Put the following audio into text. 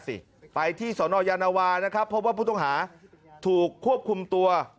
สิไปที่สนยานวานะครับพบว่าผู้ต้องหาถูกควบคุมตัว